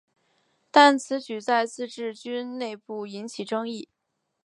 但此举在自治军内部引起争议。